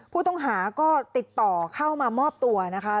ผู้ต้องหาก็ติดต่อเข้ามามอบตัวนะคะ